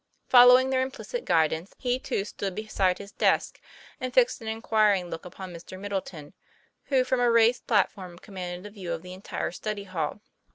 Following their implicit guidance, he too stood beside his desk, and fixed an inquiring look upon Mr. Middleton, who from a raised platform commanded a view of the entire study hall.